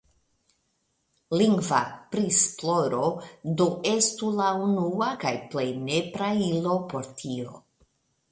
Lingva prisploro do estu la unua kaj plej nepra ilo por tio.